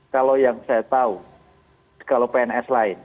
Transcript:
kalau yang saya tahu kalau pns lain